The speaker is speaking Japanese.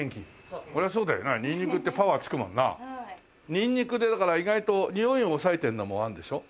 ニンニクでだから意外とにおいを抑えてるのもあるんでしょ？